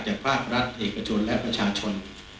ภาครัฐเอกชนและประชาชน